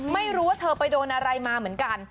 ไม่รู้ว่าเธอไปโดนอะไรมาเหมือนกัน